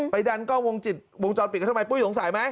ไปดันกล้องวงจรปิดเขาทำไมปุ๊ยสงสัยไหม